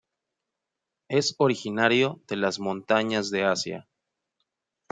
Es originario de las montañas de Asia.